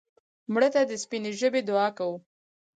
مړه ته د سپینې ژبې دعا کوو